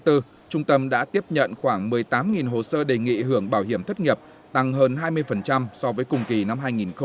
trung tâm đã tiếp nhận khoảng một mươi tám hồ sơ đề nghị hưởng bảo hiểm thất nghiệp tăng hơn hai mươi so với cùng kỳ năm hai nghìn một mươi chín